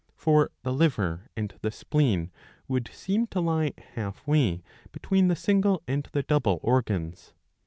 For the liver and the spleen would seem to lie half way between the single and the double organs.